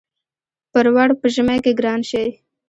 پروړ په ژمی کی ګران شی.